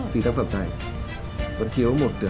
thì tác phẩm này vẫn thiếu một